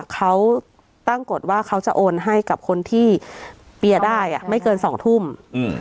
เขาตั้งกฎว่าเขาจะโอนให้กับคนที่เปียร์ได้อ่ะไม่เกินสองทุ่มอืม